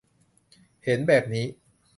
เห็นแบบนี้